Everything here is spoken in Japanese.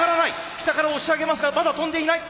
下から押し上げますがまだ飛んでいない。